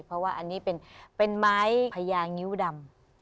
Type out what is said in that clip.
เพราะว่าอันนี้เป็นไม้พญางิ้วดำ